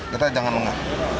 kita jangan menganggap